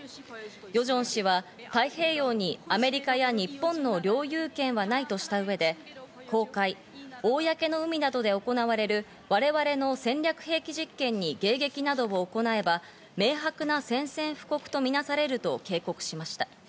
ヨジョン氏は太平洋にアメリカや日本の領有権はないとした上で、公海＝公の海などで行われる我々の戦略兵器実験に迎撃などを行えば、明白な宣戦布告とみなされると警告しました。